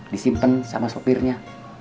disimpen sama sopirnya